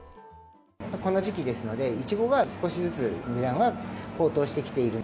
この時期ですので、イチゴが少しずつ値段が高騰してきている。